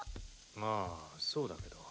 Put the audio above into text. まぁそうだけど。